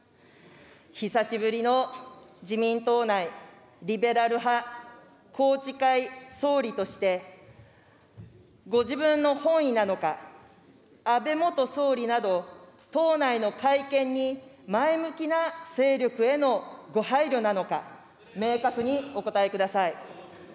久しぶりの自民党内リベラル派、宏池会総理として、ご自分の本意なのか、安倍元総理など、党内の改憲に前向きな勢力へのご配慮なのか、明確にお答えください。